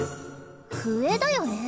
笛だよね。